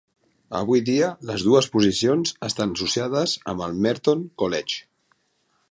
Avui dia les dues posicions estan associades amb el Merton College.